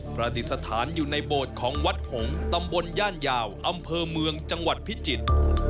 ประดิษฐานอยู่ในโบสถ์ของวัดหงษ์ตำบลย่านยาวอำเภอเมืองจังหวัดพิจิตร